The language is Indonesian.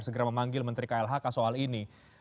segera memanggil menteri klhk soal ini